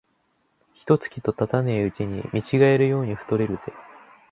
一と月とたたねえうちに見違えるように太れるぜ